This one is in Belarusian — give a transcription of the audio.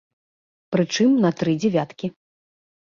Прычым, на тры дзявяткі.